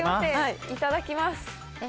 いただきます。